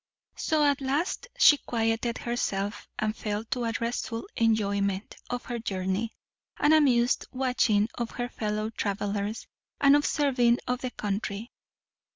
So at last she quieted herself, and fell to a restful enjoyment of her journey, and amused watching of her fellow travellers, and observing of the country.